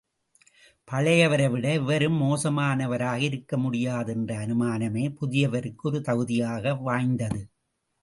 பழையவரைவிட எவரும், மோசமானவராக இருக்க முடியாது என்ற அனுமானமே, புதியவருக்கு, ஒரு தகுதியாக வாய்ந்தது.